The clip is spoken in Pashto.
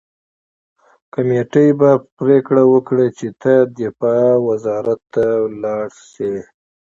کمېټه به پریکړه وکړي چې ته دفاع وزارت ته لاړ شې